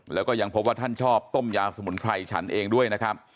แล้วก็ยังพบว่าท่านชอบต้มยาสมุนไพรฉันเองด้วยนะครับ